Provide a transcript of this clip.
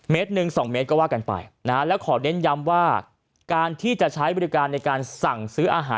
หนึ่งสองเมตรก็ว่ากันไปนะฮะแล้วขอเน้นย้ำว่าการที่จะใช้บริการในการสั่งซื้ออาหาร